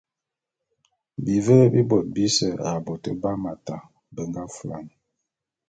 Bivele bi bôt bise a bôt bé Hamata be nga fulane.